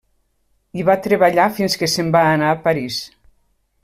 Hi va treballar fins que se'n va anar a París.